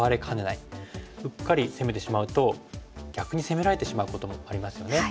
うっかり攻めてしまうと逆に攻められてしまうこともありますよね。